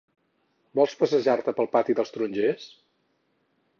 Vols passejar-te pel Pati dels Tarongers?